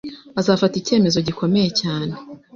azafata icyemezo gikomeye cyane